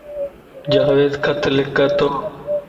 جاويد خط لک تو